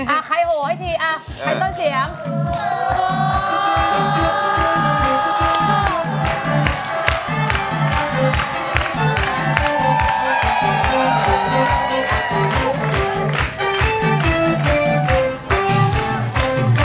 อ่ะใครโหให้ทีใครต้นเสียง